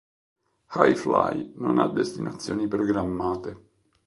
Hi Fly non ha destinazioni programmate.